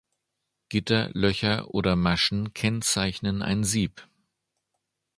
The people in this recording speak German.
Gitter, Löcher oder Maschen kennzeichnen ein Sieb.